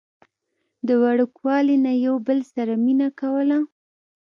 د وړوکوالي نه يو بل سره مينه کوله